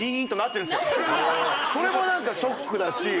それも何かショックだし。